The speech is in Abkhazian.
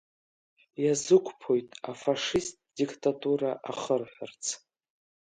Иазықәԥоит афашисттә диктатура ахырҳәарц.